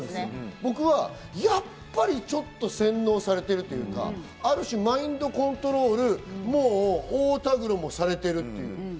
僕はやっぱりちょっと洗脳されているというか、ある種マインドコントロール、太田黒もされてる。